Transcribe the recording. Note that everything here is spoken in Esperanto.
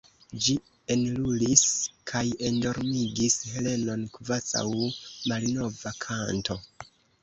Ĝi enlulis kaj endormigis Helenon kvazaŭ malnova kanto.